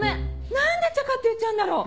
何でチャカって言っちゃうんだろう。